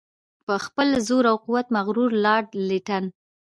په خپل زور او قوت مغرور لارډ لیټن.